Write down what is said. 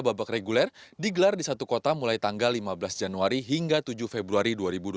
babak reguler digelar di satu kota mulai tanggal lima belas januari hingga tujuh februari dua ribu dua puluh